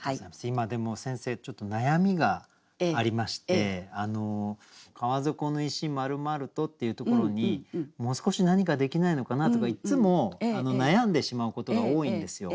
今でも先生ちょっと悩みがありまして「川底の石丸々と」っていうところにもう少し何かできないのかなとかいつも悩んでしまうことが多いんですよ。